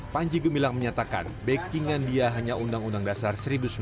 panji gumbilang menyatakan pekingan dia hanya undang undang dasar seribu sembilan ratus enam